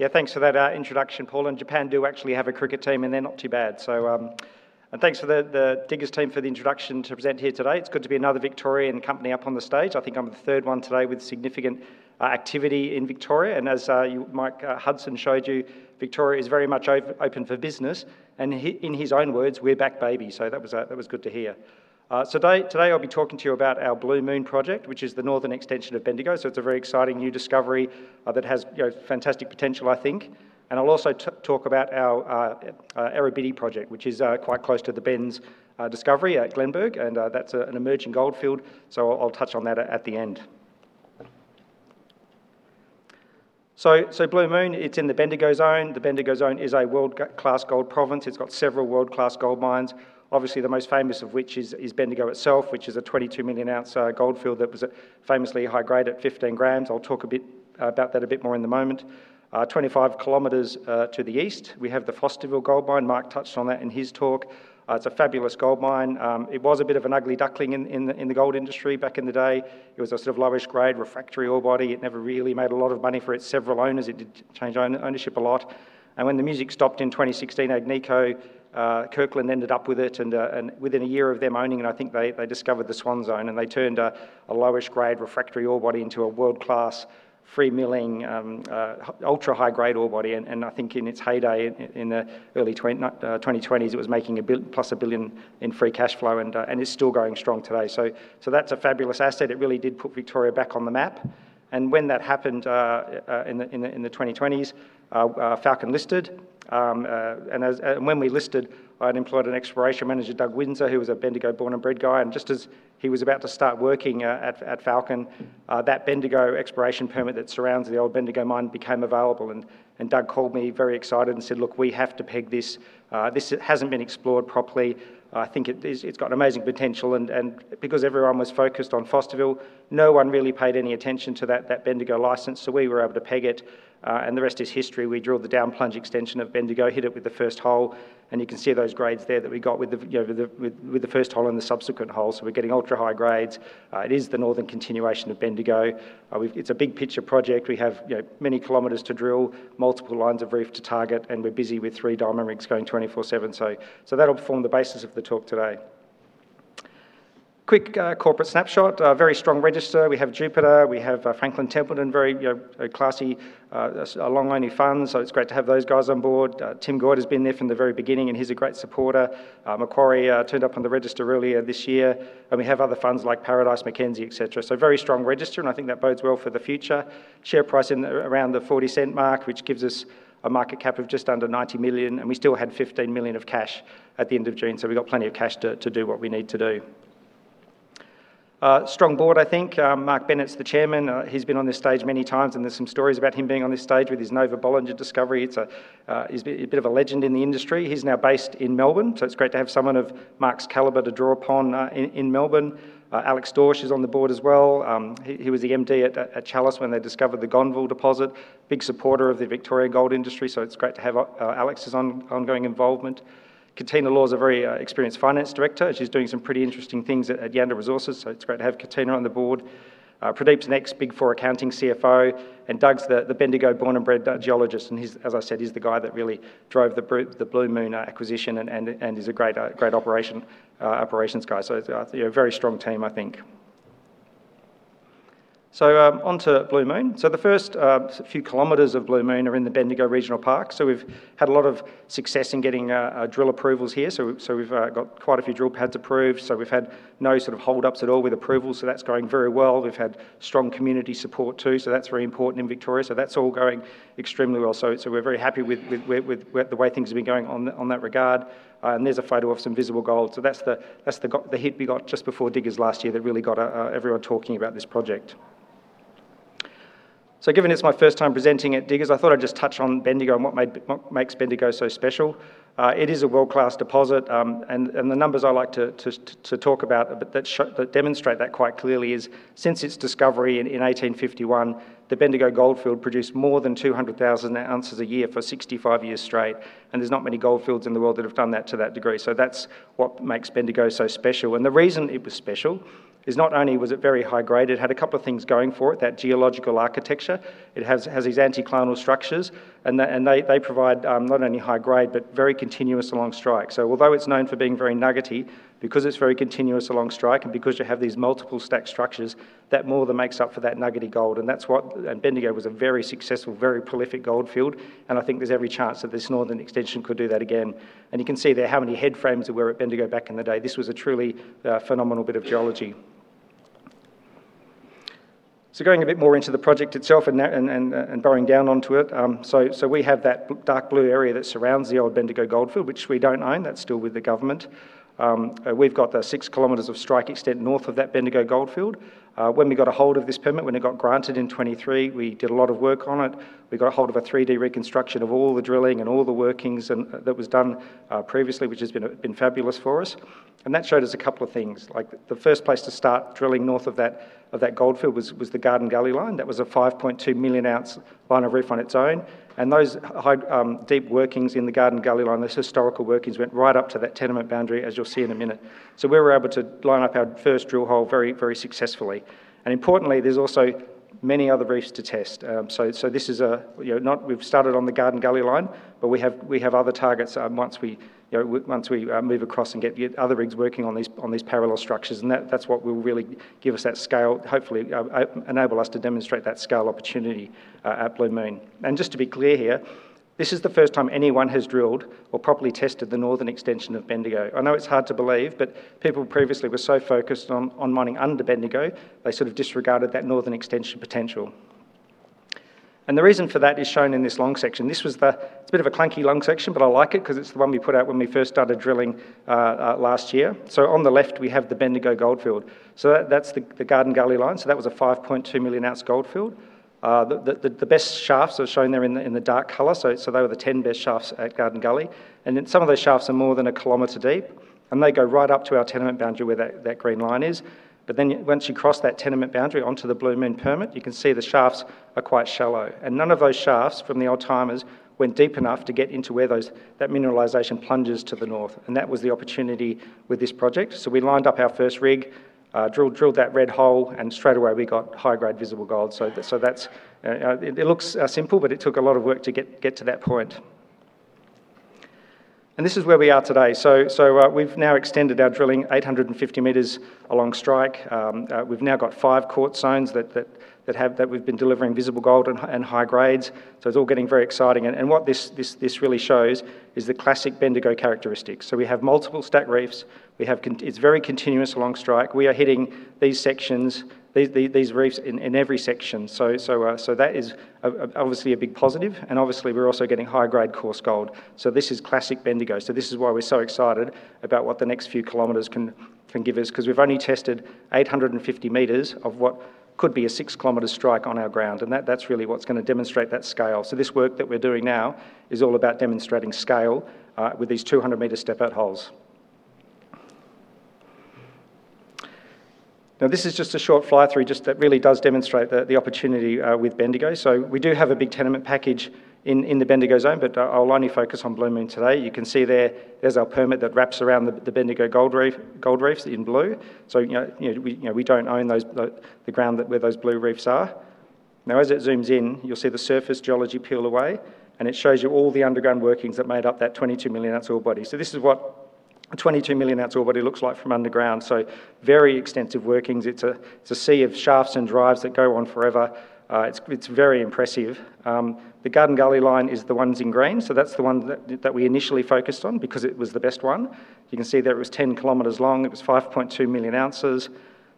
Yeah, thanks for that introduction, Paul. Japan do actually have a cricket team, and they're not too bad. Thanks to the Diggers team for the introduction to present here today. It's good to be another Victorian company up on the stage. I think I'm the third one today with significant activity in Victoria. As Mike Hudson showed you, Victoria is very much open for business, and in his own words, "We're back, baby." That was good to hear. Today I'll be talking to you about our Blue Moon project, which is the northern extension of Bendigo. It's a very exciting new discovery that has fantastic potential, I think. I'll also talk about our Errabiddy project, which is quite close to the Benz discovery at Glenburgh, and that's an emerging gold field. I'll touch on that at the end. Blue Moon, it's in the Bendigo zone. The Bendigo zone is a world-class gold province. It's got several world-class gold mines. Obviously, the most famous of which is Bendigo itself, which is a 22-million-ounce gold field that was famously high grade at 15 g. I'll talk about that a bit more in the moment. 25 km to the east, we have the Fosterville gold mine. Mike touched on that in his talk. It's a fabulous gold mine. It was a bit of an ugly duckling in the gold industry back in the day. It was a sort of lowish grade refractory ore body. It never really made a lot of money for its several owners. It changed ownership a lot. When the music stopped in 2016, Agnico Kirkland ended up with it, and within a year of them owning it, I think they discovered the Swan Zone and they turned a lowish grade refractory ore body into a world-class free milling, ultra-high grade ore body. I think in its heyday in the early 2020s, it was making +1 billion in free cash flow and is still going strong today. That's a fabulous asset. It really did put Victoria back on the map. When that happened in the 2020s, Falcon listed. When we listed, I'd employed an exploration manager, Doug Winzar, who was a Bendigo born and bred guy. Just as he was about to start working at Falcon, that Bendigo exploration permit that surrounds the old Bendigo mine became available, and Doug called me very excited and said, "Look, we have to peg this. This hasn't been explored properly. I think it's got amazing potential." Because everyone was focused on Fosterville, no one really paid any attention to that Bendigo license. We were able to peg it, and the rest is history. We drilled the down plunge extension of Bendigo, hit it with the first hole, and you can see those grades there that we got with the first hole and the subsequent holes. We're getting ultra-high grades. It is the northern continuation of Bendigo. It's a big picture project. We have many kilometers to drill, multiple lines of reef to target, and we're busy with three diamond rigs going 24/7. That'll form the basis of the talk today. Quick corporate snapshot. A very strong register. We have Jupiter, we have Franklin Templeton, very classy, a long-only fund. It's great to have those guys on Board. Tim Goyder has been there from the very beginning and he's a great supporter. Macquarie turned up on the register earlier this year, and we have other funds like Paradice, Mackenzie, et cetera. Very strong register, and I think that bodes well for the future. Share price in around the 0.40 mark, which gives us a market cap of just under 90 million. We still had 15 million of cash at the end of June. We've got plenty of cash to do what we need to do. Strong Board, I think. Mark Bennett's the Chairman. He's been on this stage many times, and there's some stories about him being on this stage with his Nova-Bollinger discovery. He's a bit of a legend in the industry. He's now based in Melbourne, it's great to have someone of Mark's caliber to draw upon in Melbourne. Alex Dorsch is on the Board as well. He was the MD at Chalice when they discovered the Gonneville deposit. Big supporter of the Victoria gold industry. It's great to have Alex's ongoing involvement. Katina Law is a very experienced finance director. She's doing some pretty interesting things at Yandal Resources, it's great to have Katina on the Board. Pradeep's an ex-big four accounting CFO, and Doug's the Bendigo born and bred geologist, and as I said, he's the guy that really drove the Blue Moon acquisition and is a great operations guy. A very strong team, I think. Onto Blue Moon. The first few kilometers of Blue Moon are in the Bendigo Regional Park. We've had a lot of success in getting drill approvals here. We've got quite a few drill pads approved. We've had no sort of hold ups at all with approvals. That's going very well. We've had strong community support too, that's very important in Victoria. That's all going extremely well. We're very happy with the way things have been going on that regard. There's a photo of some visible gold. That's the hit we got just before Diggers last year that really got everyone talking about this project. Given it's my first time presenting at Diggers, I thought I'd just touch on Bendigo and what makes Bendigo so special. It is a world-class deposit, the numbers I like to talk about that demonstrate that quite clearly is since its discovery in 1851, the Bendigo Goldfield produced more than 200,000 oz a year for 65 years straight. There's not many goldfields in the world that have done that to that degree. That's what makes Bendigo so special. The reason it was special is not only was it very high grade, it had a couple of things going for it. That geological architecture. It has these anticlinal structures, and they provide not only high grade, but very continuous along strike. Although it's known for being very nuggety, because it's very continuous along strike and because you have these multiple stack structures, that more than makes up for that nuggety gold. Bendigo was a very successful, very prolific goldfield, and I think there's every chance that this northern extension could do that again. You can see there how many head frames there were at Bendigo back in the day. This was a truly phenomenal bit of geology. Going a bit more into the project itself and boring down onto it. We have that dark blue area that surrounds the old Bendigo Goldfield, which we don't own. That's still with the government. We've got the 6 km of strike extent north of that Bendigo Goldfield. When we got a hold of this permit, when it got granted in 2023, we did a lot of work on it. We got a hold of a 3D reconstruction of all the drilling and all the workings that was done previously, which has been fabulous for us. That showed us a couple of things, like the first place to start drilling north of that goldfield was the Garden Gully line. That was a 5.2 million ounce line of reef on its own. Those deep workings in the Garden Gully line, those historical workings, went right up to that tenement boundary, as you'll see in a minute. We were able to line up our first drill hole very successfully. Importantly, there's also many other reefs to test. We've started on the Garden Gully line, but we have other targets once we move across and get the other rigs working on these parallel structures, and that's what will really give us that scale, hopefully enable us to demonstrate that scale opportunity at Blue Moon. Just to be clear here, this is the first time anyone has drilled or properly tested the northern extension of Bendigo. I know it's hard to believe, but people previously were so focused on mining under Bendigo, they sort of disregarded that northern extension potential. The reason for that is shown in this long section. It's a bit of a clunky long section, but I like it because it's the one we put out when we first started drilling last year. On the left, we have the Bendigo Goldfield. That's the Garden Gully line. That was a 5.2 million ounce gold field. The best shafts are shown there in the dark color. They were the 10 best shafts at Garden Gully, some of those shafts are more than a kilometer deep, and they go right up to our tenement boundary where that green line is. Once you cross that tenement boundary onto the Blue Moon permit, you can see the shafts are quite shallow. None of those shafts from the old timers went deep enough to get into where that mineralization plunges to the north. That was the opportunity with this project. We lined up our first rig, drilled that red hole, and straightaway we got high-grade visible gold. It looks simple, but it took a lot of work to get to that point. This is where we are today. We've now extended our drilling 850 m along strike. We've now got five quartz zones that we've been delivering visible gold and high grades. It's all getting very exciting. What this really shows is the classic Bendigo characteristics. We have multiple stack reefs. It's very continuous along strike. We are hitting these sections, these reefs in every section. That is obviously a big positive, and obviously we're also getting high-grade coarse gold. This is classic Bendigo. This is why we're so excited about what the next few kilometers can give us because we've only tested 850 m of what could be a 6-km strike on our ground. That's really what's going to demonstrate that scale. This work that we're doing now is all about demonstrating scale with these 200-m step-out holes. This is just a short fly-through that really does demonstrate the opportunity with Bendigo. We do have a big tenement package in the Bendigo zone, but I'll only focus on Blue Moon today. You can see there's our permit that wraps around the Bendigo gold reefs in blue. We don't own the ground where those blue reefs are. As it zooms in, you'll see the surface geology peel away, and it shows you all the underground workings that made up that 22 million ounce ore body. This is what a 22 million ounce ore body looks like from underground. Very extensive workings. It's a sea of shafts and drives that go on forever. It's very impressive. The Garden Gully line is the ones in green. That's the one that we initially focused on because it was the best one. You can see there it was 10 km long. It was 5.2 million ounces.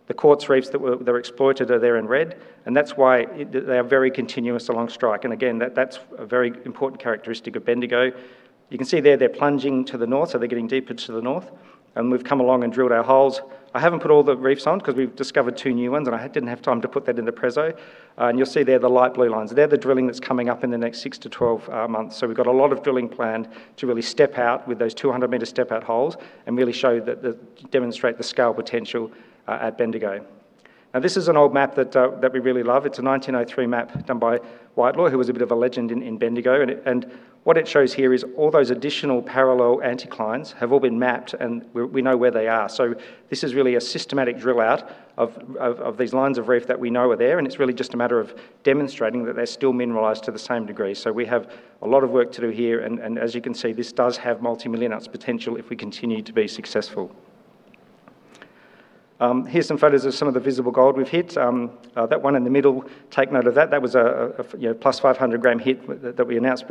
The quartz reefs that were exploited are there in red, that's why they are very continuous along strike. Again, that's a very important characteristic of Bendigo. You can see there they're plunging to the north, so they're getting deeper to the north, and we've come along and drilled our holes. I haven't put all the reefs on because we've discovered two new ones and I didn't have time to put that in the preso. You'll see there the light blue lines. They're the drilling that's coming up in the next 6-12 months. We've got a lot of drilling planned to really step out with those 200-m step-out holes and really demonstrate the scale potential at Bendigo. This is an old map that we really love. It's a 1903 map done by Whitelaw, who was a bit of a legend in Bendigo. What it shows here is all those additional parallel anticlines have all been mapped, and we know where they are. This is really a systematic drill out of these lines of reef that we know are there, and it's really just a matter of demonstrating that they're still mineralized to the same degree. We have a lot of work to do here, and as you can see, this does have multi-million ounce potential if we continue to be successful. Here's some photos of some of the visible gold we've hit. That one in the middle, take note of that. That was a +500 g hit that we announced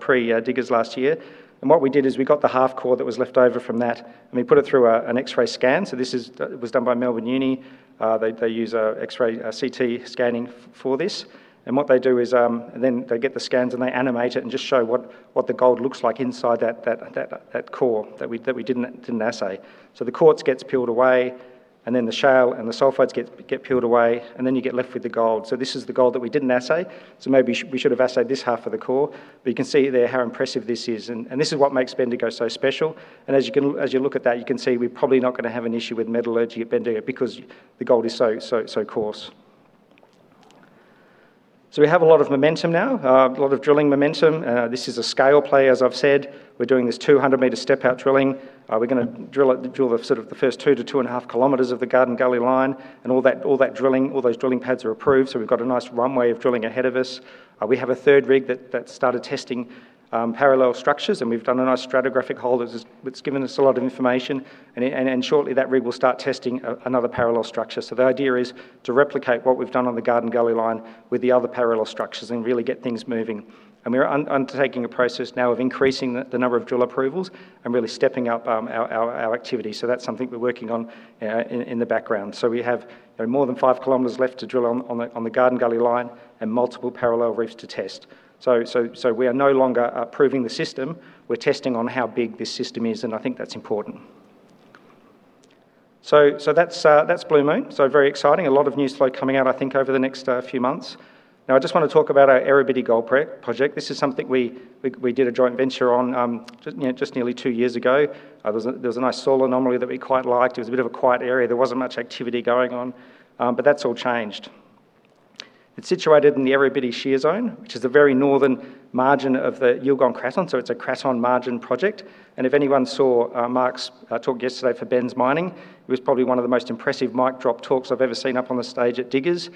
pre-Diggers last year. What we did is we got the half core that was left over from that, and we put it through an X-ray scan. This was done by Melbourne Uni. They use X-ray CT scanning for this. What they do is, they get the scans and they animate it and just show what the gold looks like inside that core that we didn't assay. The quartz gets peeled away, then the shale and the sulfides get peeled away, then you get left with the gold. This is the gold that we didn't assay. Maybe we should have assayed this half of the core. You can see there how impressive this is. This is what makes Bendigo so special. As you look at that, you can see we're probably not going to have an issue with metallurgy at Bendigo because the gold is so coarse. We have a lot of momentum now, a lot of drilling momentum. This is a scale play, as I've said. We're doing this 200-m step-out drilling. We're going to drill the first 2 km-2.5 km of the Garden Gully line. All those drilling pads are approved, we've got a nice runway of drilling ahead of us. We have a third rig that started testing parallel structures, and we've done a nice stratigraphic hole that's given us a lot of information. Shortly, that rig will start testing another parallel structure. The idea is to replicate what we've done on the Garden Gully line with the other parallel structures and really get things moving. We're undertaking a process now of increasing the number of drill approvals and really stepping up our activity. That's something we're working on in the background. We have more than 5 km left to drill on the Garden Gully line and multiple parallel reefs to test. We are no longer proving the system. We're testing on how big this system is, and I think that's important. That's Blue Moon. Very exciting. A lot of news flow coming out, I think, over the next few months. I just want to talk about our Errabiddy Gold Project. This is something we did a joint venture on just nearly two years ago. There was a nice soil anomaly that we quite liked. It was a bit of a quiet area. There wasn't much activity going on, but that's all changed. It's situated in the Errabiddy Shear Zone, which is the very northern margin of the Yilgarn Craton. It's a craton margin project. If anyone saw Mark's talk yesterday for Benz Mining, it was probably one of the most impressive mic drop talks I've ever seen up on the stage at Diggers.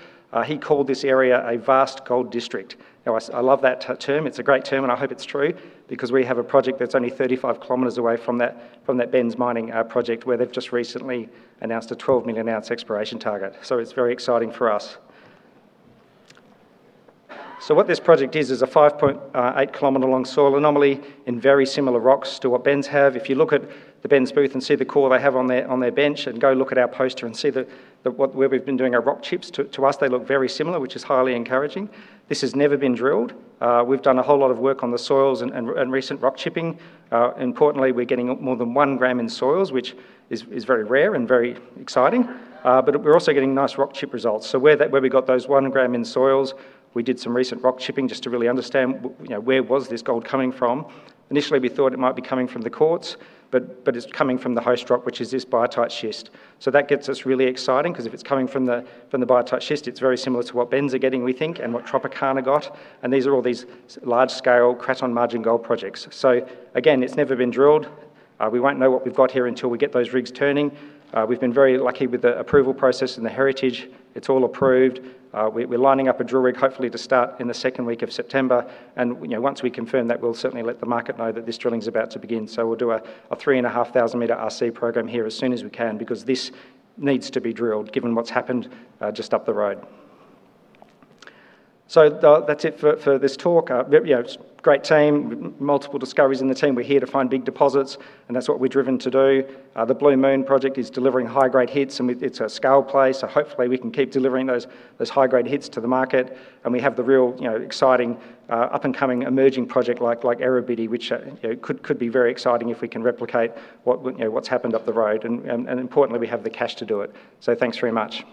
He called this area a vast gold district. I love that term. It's a great term, and I hope it's true because we have a project that's only 35 km away from that Benz Mining project where they've just recently announced a 12 million ounce exploration target. It's very exciting for us. What this project is a 5.8-km-long soil anomaly in very similar rocks to what Benz have. If you look at the Benz booth and see the core they have on their bench and go look at our poster and see where we've been doing our rock chips, to us, they look very similar, which is highly encouraging. This has never been drilled. We've done a whole lot of work on the soils and recent rock chipping. Importantly, we're getting more than 1 g in soils, which is very rare and very exciting. We're also getting nice rock chip results. Where we got those 1 g in soils, we did some recent rock chipping just to really understand where was this gold coming from. Initially, we thought it might be coming from the quartz, but it's coming from the host rock, which is this biotite schist. That gets us really exciting, because if it's coming from the biotite schist, it's very similar to what Benz are getting, we think, and what Tropicana got. These are all these large-scale craton margin gold projects. Again, it's never been drilled. We won't know what we've got here until we get those rigs turning. We've been very lucky with the approval process and the heritage. It's all approved. We're lining up a drill rig, hopefully to start in the second week of September. Once we confirm that, we'll certainly let the market know that this drilling is about to begin. We'll do a 3,500-m RC program here as soon as we can, because this needs to be drilled given what's happened just up the road. That's it for this talk. Great team, multiple discoveries in the team. We're here to find big deposits, and that's what we're driven to do. The Blue Moon Project is delivering high-grade hits, and it's a scale play, so hopefully we can keep delivering those high-grade hits to the market. We have the real exciting up-and-coming emerging project like Errabiddy, which could be very exciting if we can replicate what's happened up the road, and importantly, we have the cash to do it. Thanks very much.